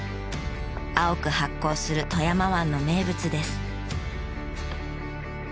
青く発光する富山湾の名物です。